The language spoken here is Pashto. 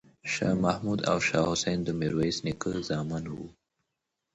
شاه محمود او شاه حسین د میرویس نیکه زامن وو.